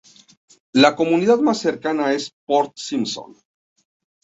La comunidad más cercana es Port Simpson.